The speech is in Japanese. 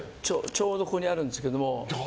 ちょうどここにあるんですけど。